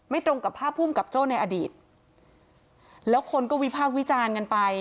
ตรงกับภาพภูมิกับโจ้ในอดีตแล้วคนก็วิพากษ์วิจารณ์กันไป